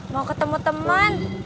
mau ketemu teman